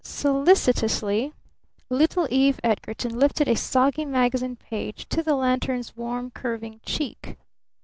Solicitously little Eve Edgarton lifted a soggy magazine page to the lantern's warm, curving cheek.